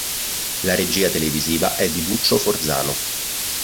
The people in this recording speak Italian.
La regia televisiva è di Duccio Forzano.